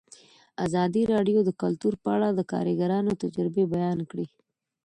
ازادي راډیو د کلتور په اړه د کارګرانو تجربې بیان کړي.